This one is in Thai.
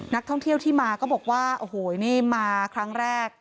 นักท่องเที่ยวที่มาก็บอกว่าโอ้โหนี่มาครั้งแรก